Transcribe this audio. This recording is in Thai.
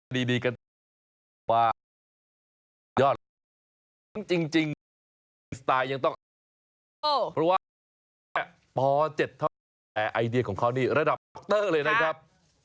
ดีกันว่ายอดจริงสไตล์ยังต้องเพราะว่าพอเจ็ดเท่าไหร่ไอเดียของเขานี่ระดับเลยนะครับ